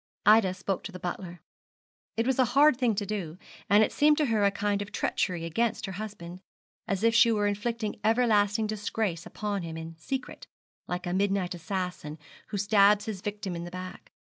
Ida spoke to the butler. It was a hard thing to do, and it seemed to her a kind of treachery against her husband as if she were inflicting everlasting disgrace upon him in secret, like a midnight assassin, who stabs his victim in the back.